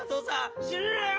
死ぬなよ！